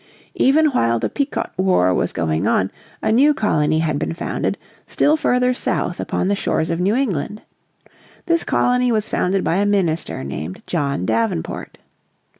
Even while the Pequot war was going on a new colony had been founded, still further south upon the shores of New England. This colony was founded by a minister named John Davenport.